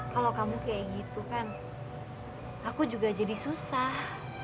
kalau kamu kayak gitu kan aku juga jadi susah